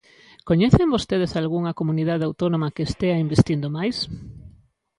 ¿Coñecen vostedes algunha comunidade autónoma que estea investindo máis?